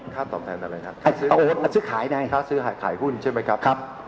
ค่าตอบแทนเท่าไหร่ครับค่าซื้อขายไหนค่าซื้อขายหุ้นใช่ไหมครับ